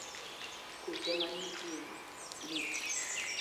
Koke mane otuomo lit